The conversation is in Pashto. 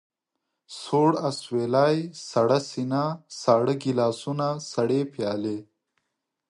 سوړ اسوېلی، سړه سينه، ساړه ګيلاسونه، سړې پيالې.